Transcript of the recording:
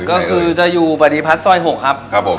ก็คือจะอยู่ปฏิพัฒน์ซอย๖ครับ